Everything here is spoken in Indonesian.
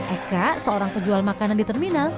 eka seorang penjual makanan di terminal